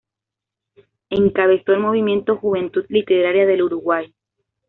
Encabezó el movimiento "Juventud Literaria del Uruguay".